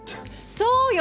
そうよ